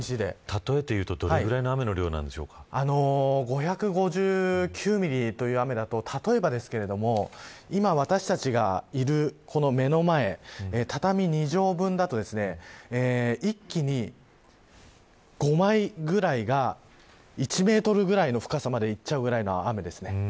たとえて言うと、どれぐらいの５５９ミリという雨だと例えばですが今、私たちがいるこの目の前畳２畳分だと一気に５枚くらいが１メートルくらいの深さまでいっちゃうぐらいの雨です。